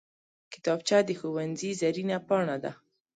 کتابچه د ښوونځي زرینه پاڼه ده